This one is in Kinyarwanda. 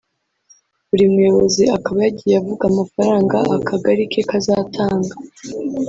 Buri muyobozi akaba yagiye avuga amafaranga akagari ke kazatanga